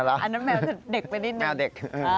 อันนั้นแมวคือเด็กไปนิดนึงแมวเด็ก